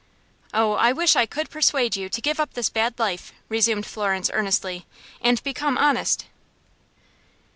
"Oh, I wish I could persuade you to give up this bad life," resumed Florence, earnestly, "and become honest."